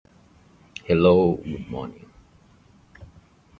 This involved several steps.